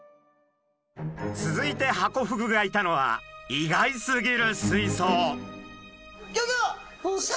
続いてハコフグがいたのは意外すぎる水槽。